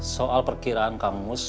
soal perkiraan kamu